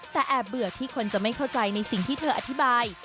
แต่แอบเบื่อที่คนจะไม่เข้าใจในสิ่งที่เธออธิบาย